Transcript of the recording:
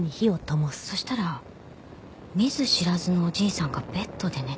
そしたら見ず知らずのおじいさんがベッドで寝てたの。